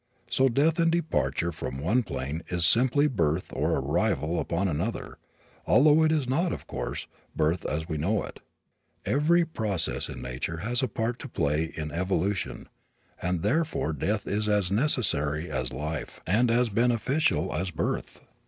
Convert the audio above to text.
So death and departure from one plane is simply birth, or arrival, upon another, although it is not, of course, birth as we know it. Every process in nature has a part to play in evolution and therefore death is as necessary as life and as beneficial as birth.